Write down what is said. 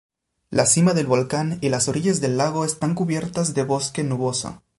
La cima del volcán y las orillas del lago están cubiertas de Bosque nuboso.